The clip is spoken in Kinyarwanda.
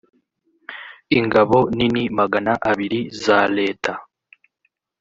ingabo nini magana abiri za leta